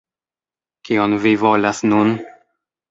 Kion vi volas nun?